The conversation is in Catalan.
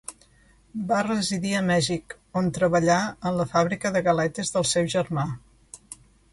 Va residir a Mèxic on treballà en la fàbrica de galetes del seu germà.